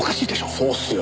そうっすよ。